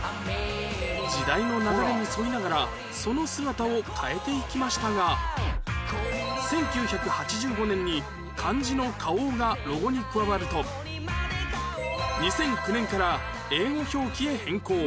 時代の流れに沿いながらその姿を変えていきましたが１９８５年に漢字の「花王」がロゴに加わると２００９年から英語表記へ変更